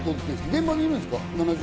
現場にいるんですか？